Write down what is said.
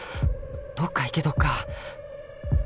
どっか行けどっか